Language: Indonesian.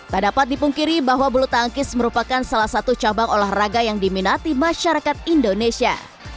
tak dapat dipungkiri bahwa bulu tangkis merupakan salah satu cabang olahraga yang diminati masyarakat indonesia